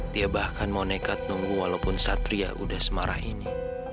dia bahkan mau nekat nunggu walaupun satria udah semarah ini